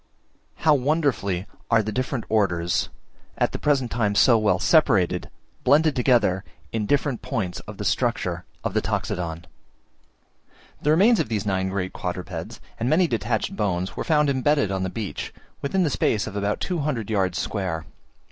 How wonderfully are the different Orders, at the present time so well separated, blended together in different points of the structure of the Toxodon! The remains of these nine great quadrupeds, and many detached bones, were found embedded on the beach, within the space of about 200 yards square.